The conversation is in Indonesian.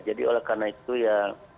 jadi oleh karena itu ya